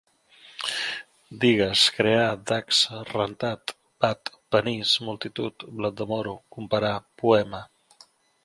Digues: crear, dacsa, rentat, bat, panís, multitud, blat de moro, comparar, poema